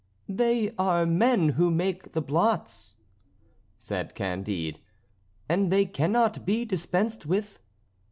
"They are men who make the blots," said Candide, "and they cannot be dispensed with."